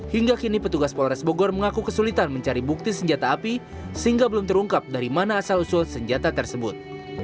hingga kini petugas polres bogor mengaku kesulitan mencari bukti senjata api sehingga belum terungkap dari mana asal usul senjata tersebut